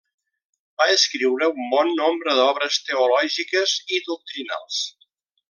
Va escriure un bon nombre d'obres teològiques i doctrinals.